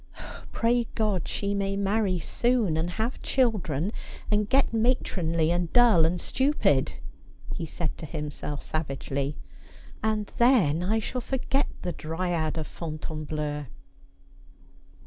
'Pray God she may marry soon, and have children, and get 'And in My Herte ivondren I Began.'' 193 matronly and dull and stupid !' he said to himself savagely ;' and then I shall forget the dryad of Fontainebleau.'